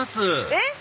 えっ⁉